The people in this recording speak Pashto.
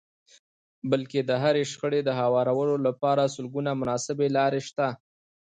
بلکې د هرې شخړې د هوارولو لپاره سلګونه مناسبې لارې شته.